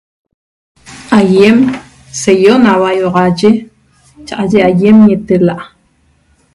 ayem seyoe nahua ihuaxaye cha aye ñatel laa .